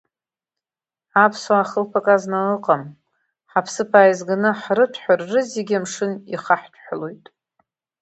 Аԥсуаа хылԥак азна ыҟам, ҳаԥсыԥ ааизганы ҳрыҭәҳәар рызегьы амшын ихаҳаҭәҳәалоит.